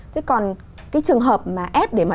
thế còn cái trường hợp mà ép để mà